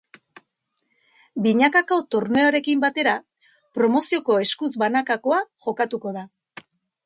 Binakako torneoarekin batera, promozioko eskuz banakakoa jokatuko da.